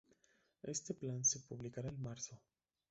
Este plan se publicará en marzo.